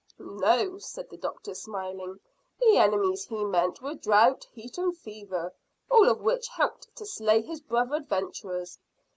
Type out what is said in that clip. "No," said the doctor, smiling; "the enemies he meant were drought, heat, and fever, all of which helped to slay his brother adventurers.